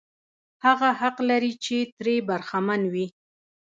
هغه حق لري چې ترې برخمن وي.